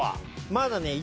まだね。